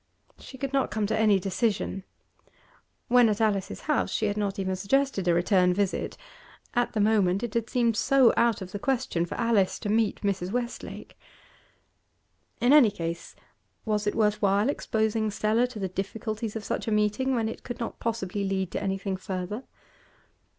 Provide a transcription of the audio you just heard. She could not come to any decision. When at Alice's house she had not even suggested a return visit; at the moment it had seemed so out of the question for Alice to meet Mrs. Westlake. In any case, was it worth while exposing Stella to the difficulties of such a meeting when it could not possibly lead to anything further?